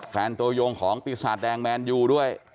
ตัวยงของปีศาจแดงแมนยูด้วย